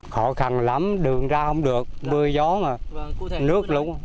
khó khăn lắm đường ra không được mưa gió nước lũ